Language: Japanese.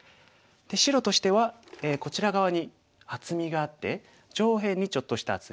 白としてはこちら側に厚みがあって上辺にちょっとした厚み。